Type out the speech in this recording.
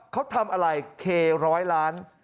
เขาทำอะไรเคร้อยล้าน